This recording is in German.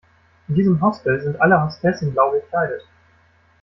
In diesem Hostel sind alle Hostessen blau gekleidet.